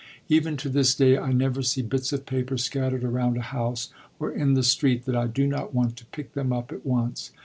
Even to this day I never see bits of paper scattered around a house or in the street that I do not want to pick them up at once.